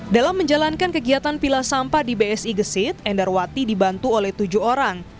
dalam menjalankan kegiatan pilah sampah di bsi gesit endarwati dibantu oleh tujuh orang